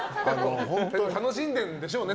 楽しんでるんでしょうね